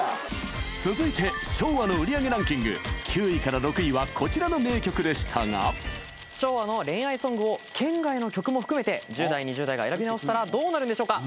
続いて昭和の売り上げランキング９位から６位はこちらの名曲でしたが昭和の恋愛ソングを圏外の曲も含めて１０代２０代が選び直したらどうなるんでしょうか？